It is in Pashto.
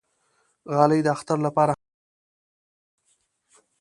غالۍ د اختر لپاره هم نوی اخېستل کېږي.